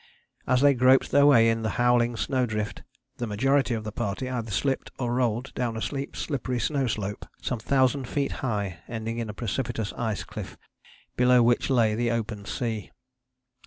As they groped their way in the howling snow drift the majority of the party either slipped or rolled down a steep slippery snow slope some thousand feet high ending in a precipitous ice cliff, below which lay the open sea.